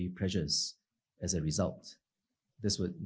yang bergantung untuk menghasilkan